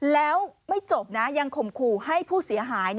แล้วไม่จบนะยังข่มขู่ให้ผู้เสียหาย